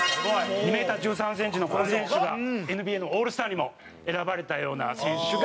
２メーター１３センチのこの選手がＮＢＡのオールスターにも選ばれたような選手が。